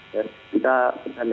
dan kita berdanda lagi ya